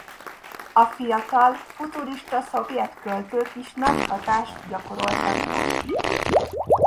A fiatal futurista szovjet költők is nagy hatást gyakoroltak rá.